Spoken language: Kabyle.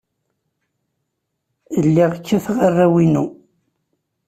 Lliɣ kkateɣ arraw-inu.